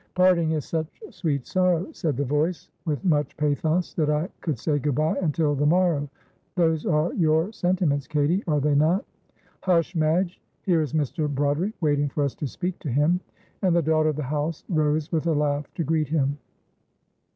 "Parting is such sweet sorrow," said the voice, with much pathos, "that I could say good bye until the morrow; those are your sentiments, Katie, are they not?" "Hush, Madge! here is Mr. Broderick waiting for us to speak to him," and the daughter of the house rose with a laugh to greet him.